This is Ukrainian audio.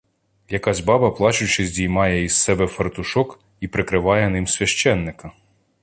Якась баба плачучи здіймає із себе фартушок і прикриває ним священика.